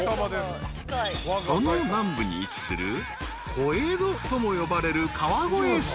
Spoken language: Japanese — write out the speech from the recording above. ［その南部に位置する小江戸とも呼ばれる川越市］